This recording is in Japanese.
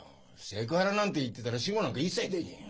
セクハラなんて言ってたら私語なんか一切できん。